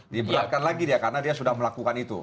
dibenarkan lagi dia karena dia sudah melakukan itu